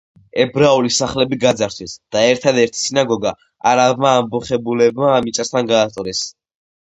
ებრაული სახლები გაძარცვეს და ერთადერთი სინაგოგა არაბმა ამბოხებულებმა მიწასთან გაასწორეს.